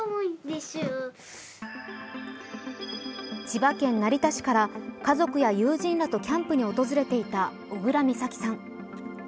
千葉県成田市から家族や友人らとキャンプに訪れていた小倉美咲さん。